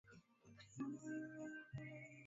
kadhaa pia inakusanya data ya kurudia ambayo